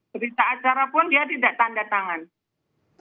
berita acara pun dia tidak tanda tangan